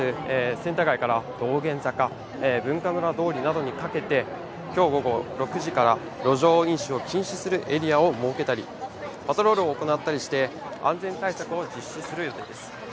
センター街から道玄坂、文化村通りなどにかけて、きょう午後６時から路上飲酒を禁止するエリアを設けたり、パトロールを行ったりして安全対策を実施する予定です。